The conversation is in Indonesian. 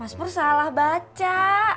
mas pur salah baca